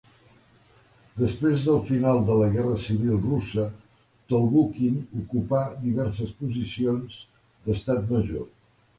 Després del final de la Guerra Civil Russa, Tolbukhin ocupà diverses posicions d'estat major.